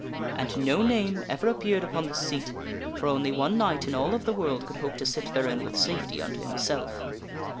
And no name ever appeared upon this seat, for only one knight in all of the world could hope to sit therein with safety unto himself.